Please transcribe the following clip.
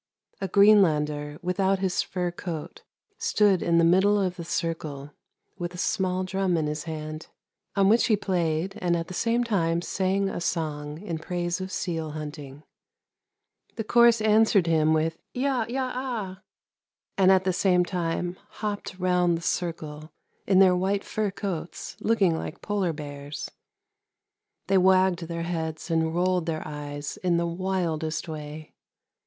A Greenlander without his fur coat stood in the middle of the circle, with a small drum in his hand, on which he played, and at the same time sang a song in praise of seal hunting ; the chorus answered him with ' Eia, eia, a !' and at WHAT THE MOON SAW 239 the same time hopped round the circle in their white fur coats looking like polar bears. They wagged their heads and rolled their eyes in the wildest way.